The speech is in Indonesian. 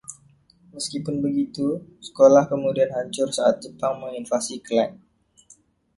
Meskipun begitu, sekolah kemudian hancur saat Jepang menginvasi Klang.